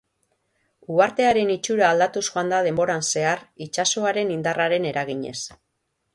Uhartearen itxura aldatuz joan da denboran zehar itsasoaren indarraren eraginez.